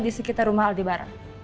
di sekitar rumah aldebaran